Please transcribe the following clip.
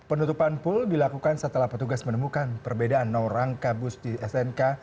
penutupan pul dilakukan setelah petugas menemukan perbedaan nomor rangka bus di stnk